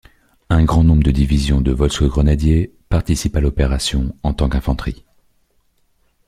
Un grand nombre de division de Volksgrenadier participent à l'opération, en tant qu'infanterie.